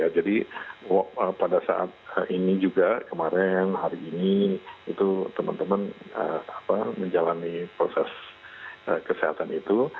jadi pada saat ini juga kemarin hari ini itu teman teman menjalani proses kesehatan itu